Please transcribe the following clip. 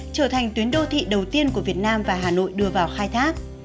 trở thành tuyến đô thị đầu tiên của việt nam và hà nội đưa vào khai thác